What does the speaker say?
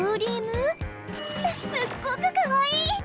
すっごくかわいい！